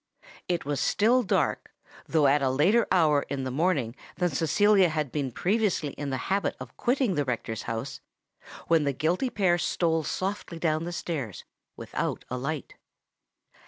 It was still dark—though at a later hour in the morning than Cecilia had been previously in the habit of quitting the rector's house—when the guilty pair stole softly down stairs, without a light.